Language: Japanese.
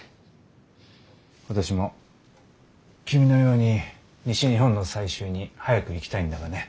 私も君のように西日本の採集に早く行きたいんだがね。